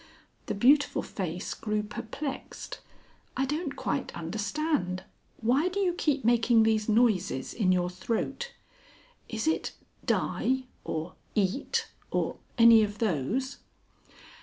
The beautiful face grew perplexed. "I don't quite understand. Why do you keep making these noises in your throat? Is it Die or Eat, or any of those...."